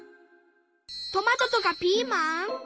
トマトとかピーマン？